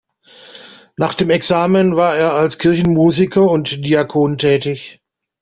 Nach dem Examen war er als Kirchenmusiker und Diakon tätig.